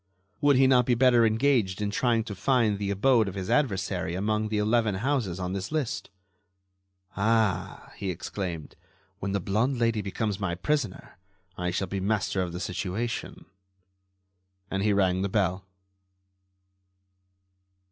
Would he not be better engaged in trying to find the abode of his adversary amongst the eleven houses on his list? "Ah!" he exclaimed, "when the blonde Lady becomes my prisoner, I shall be master of the situation." And he rang the bell.